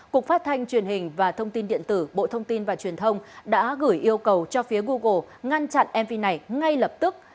cục phát thanh truyền hình và thông tin điện tử bộ thông tin và truyền thông đã gửi yêu cầu cho phía google ngăn chặn mv này ngay lập tức